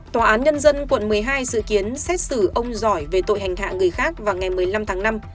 tòa án nhân dân quận một mươi hai dự kiến xét xử ông giỏi về tội hành hạ người khác vào ngày một mươi năm tháng năm